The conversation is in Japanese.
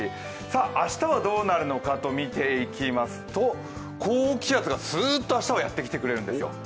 明日はどうなるかというと、高気圧がすーっとやってきてくれるんですよ。